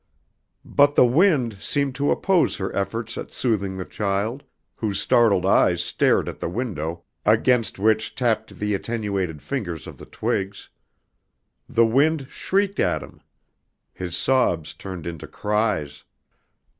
But the wind seemed to oppose her efforts at soothing the child whose startled eyes stared at the window against which tapped the attenuated fingers of the twigs. The wind shrieked at him. His sobs turned into cries.